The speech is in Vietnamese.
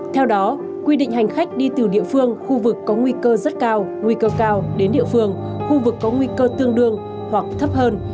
theo đó quy định hành khách đi từ địa phương khu vực có nguy cơ rất cao nguy cơ cao đến địa phương khu vực có nguy cơ tương đương hoặc thấp hơn